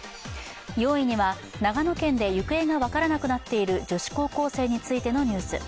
４位には、長野県で行方が分からなくなっている女子高校生についてのニュース。